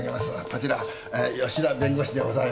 こちらえー吉田弁護士でございます。